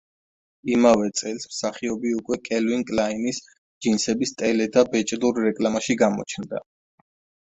იმავე წელს მსახიობი უკვე კელვინ კლაინის ჯინსების ტელე და ბეჭდურ რეკლამაში გამოჩნდა.